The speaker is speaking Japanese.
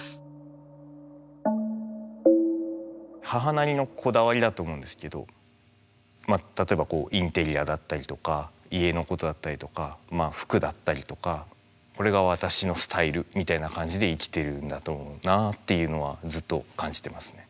母なりのこだわりだと思うんですけど例えばインテリアだったりだとか家のことだったりだとか服だったりとかこれが私のスタイルみたいな感じで生きてるんだと思うなあっていうのはずっと感じてますね。